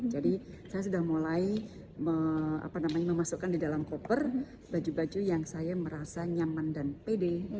jadi saya sudah mulai memasukkan di dalam koper baju baju yang saya merasa nyaman dan pede